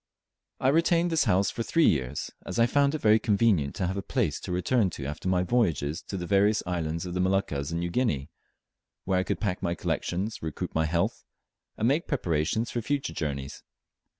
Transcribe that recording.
I retained this house for three years, as I found it very convenient to have a place to return to after my voyages to the various islands of the Moluccas and New Guinea, where I could pack my collections, recruit my health, and make preparations for future journeys.